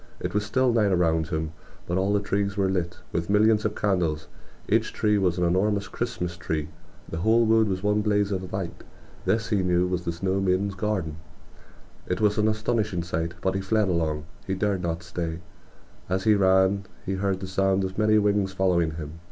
It was still night around him, but all the trees were lit with millions of candles. Each tree was an enormous Christmas tree. The whole wood was one blaze of light ... this he knew was the snow maiden's garden! It was an astonishing sight; but he fled along; he dared not stay. As he ran he heard the sound of many wings following him.